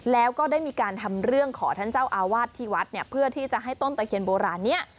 แล้วก็ได้มีการทำเรื่องขอท่านเจ้าอาวาสที่วัดเนี่ยเพื่อที่จะให้ต้นตะเคียนโบราณนี้